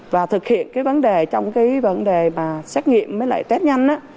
và thực hiện cái vấn đề trong cái vấn đề mà xét nghiệm với lại test nhanh á